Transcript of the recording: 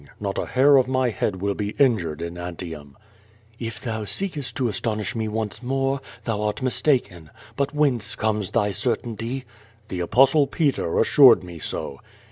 Not a hair of my head will be injured in I Antium." 1 "H thou seekest to astonish me once more,, thou art mis taken. But whence comes thy certainty?" "I'he Apostle Peter assured me so."